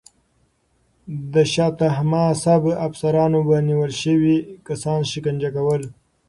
د شاه طهماسب افسرانو به نیول شوي کسان شکنجه کول.